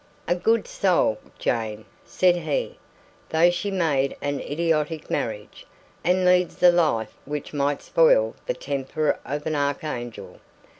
"A good soul, Jane," said he; "though she made an idiotic marriage, and leads a life which might spoil the temper of an archangel.